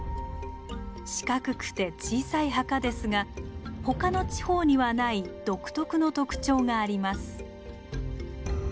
四角くて小さい墓ですが他の地方にはない独特の特徴があります。